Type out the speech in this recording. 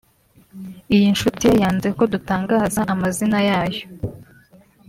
Iyi nshuti ye yanze ko dutangaza amazina yayo